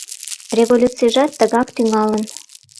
Революцийжат тыгак тӱҥалын.